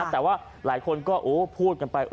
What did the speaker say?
แต่ว่าหลายคนก็พูดกันไป